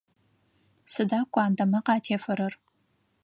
Сыда куандэмэ къатефэрэр?